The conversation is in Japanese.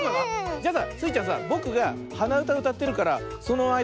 じゃあさスイちゃんさぼくがはなうたうたってるからそのあいだにこれはめて。